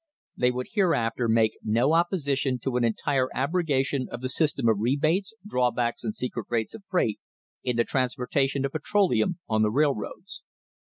They would hereafter make no opposition to an entire abrogation of the system of rebates, drawbacks and secret rates of freight in the transportation of petroleum on the railroads.